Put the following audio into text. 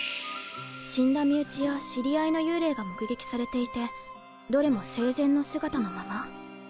死んだ身内や知り合いの幽霊が目撃されていてどれも生前の姿のまま。